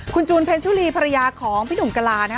คุณจูนเพ็ญชุลีภรรยาของพี่หนุ่มกะลานะฮะ